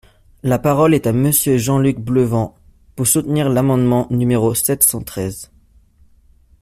La parole est à Monsieur Jean-Luc Bleunven, pour soutenir l’amendement numéro sept cent treize.